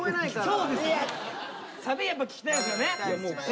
サビやっぱ聴きたいですよね。